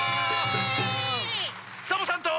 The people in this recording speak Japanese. サボさんと。